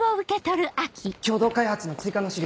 共同開発の追加の資料